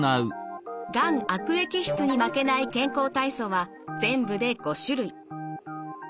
がん悪液質に負けない健康体操は全部で５種類。